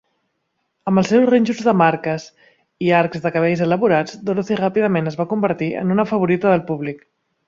Amb els seus rínxols de marques i arcs de cabells elaborats, Dorothy ràpidament es va convertir en una favorita del públic.